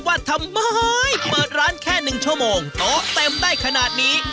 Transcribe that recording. ว่าทำไมเปิดร้านแค่๑ชั่วโมงโต๊ะเต็มได้ขนาดนี้